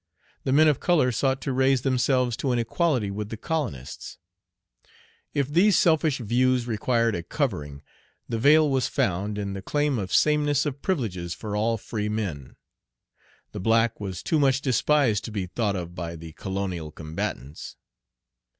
The men of color sought to raise themselves to an equality with the colonists. If these selfish views required a covering, the veil was found in the claim of sameness of privileges for all free men. The black was too much despised to be thought of by the colonial combatants.